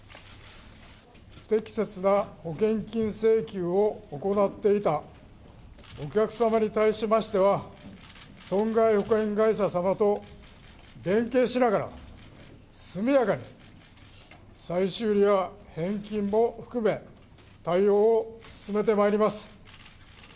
不適切な保険金請求を行っていたお客様に対しましては、損害保険会社様と連携しながら、速やかに再修理や返金も含め、対応を進めてまいります。